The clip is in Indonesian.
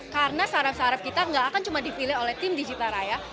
karena sarap sarap kita nggak akan cuma dipilih oleh tim digitaraya